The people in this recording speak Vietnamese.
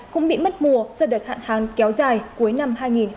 cũng bị mất mùa do đợt hạn hạn kéo dài cuối năm hai nghìn một mươi sáu